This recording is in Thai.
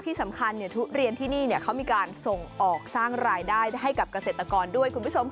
ที่สำคัญทุเรียนที่นี่เขามีการส่งออกสร้างรายได้ให้กับเกษตรกรด้วยคุณผู้ชมค่ะ